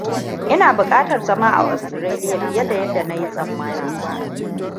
Ina buƙatar zama a Australia fiye da yadda na yi tsammani.